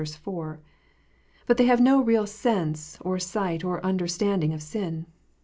4) ; but they have no real sense, or sight, or understanding of sin.